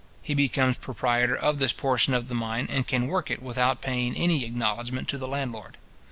He becomes proprietor of this portion of the mine, and can work it without paving any acknowledgment to the landlord.